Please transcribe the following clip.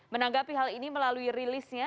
menanggapi hal ini melalui rilisnya